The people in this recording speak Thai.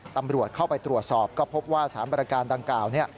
ตำรวจเข้าไปตรวจสอบก็พบว่า๓บริการดังกล่าวเนี่ย